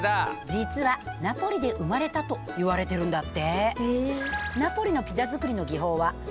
実はナポリで生まれたといわれてるんだって。